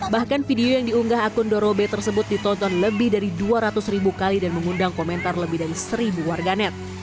bahkan video yang diunggah akun dorobe tersebut ditonton lebih dari dua ratus ribu kali dan mengundang komentar lebih dari seribu warganet